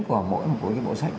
của mỗi một bộ sách